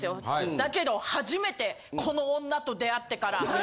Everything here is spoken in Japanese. だけど初めてこの女と出会ってから。